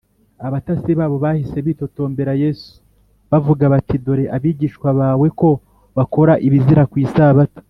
abatasi babo bahise bitotombera yesu bavuga bati, “dore abigishwa bawe ko bakora ibizira ku isabato!